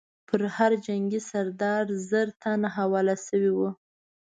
پر هر جنګي سردار زر تنه حواله شوي وو.